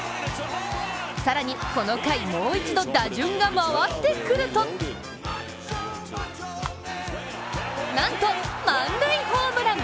更にこの回、もう一度打順が回ってくるとなんと、満塁ホームラン。